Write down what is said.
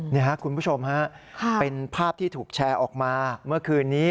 นี่ครับคุณผู้ชมฮะเป็นภาพที่ถูกแชร์ออกมาเมื่อคืนนี้